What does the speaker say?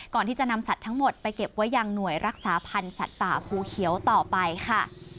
ก่อนที่จะนำสัตว์ทั้งหมดไปเก็บไว้ยังหน่วยรักษาพันธ์สัตว์ป่าภูเขียวต่อไปค่ะ